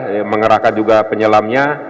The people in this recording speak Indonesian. yang mengerahkan juga penyelamnya